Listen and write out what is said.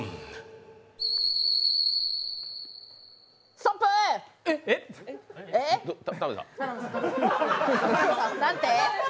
ストップ！なんて？